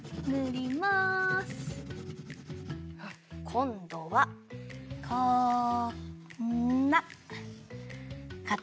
こんどはこんなかたちをかくよ！